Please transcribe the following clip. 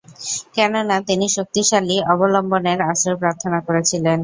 কেননা, তিনি শক্তিশালী অবলম্বনের আশ্রয় প্রার্থনা করেছিলেন।